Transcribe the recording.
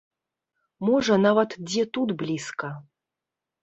Можа нават дзе тут блізка.